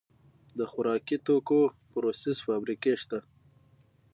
د خوراکي توکو پروسس فابریکې شته